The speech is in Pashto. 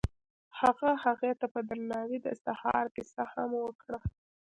هغه هغې ته په درناوي د سهار کیسه هم وکړه.